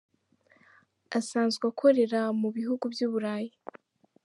Asanzwe akorera mu bihugu by’u Burayi.